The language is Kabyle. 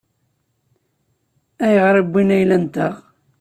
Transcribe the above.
Ayɣer i wwin ayla-nteɣ?